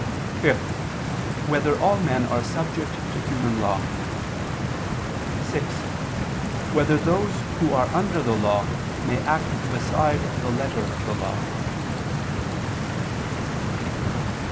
(5) Whether all men are subject to human law? (6) Whether those who are under the law may act beside the letter of the law?